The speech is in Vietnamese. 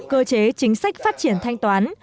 cơ chế chính sách phát triển thanh toán